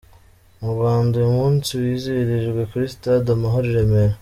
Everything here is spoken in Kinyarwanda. Mu Rwanda uyu munsi wizihirijwe kuri Sitade Amahoro I Remera.